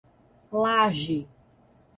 Laje